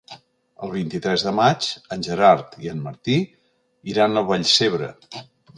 El vint-i-tres de maig en Gerard i en Martí iran a Vallcebre.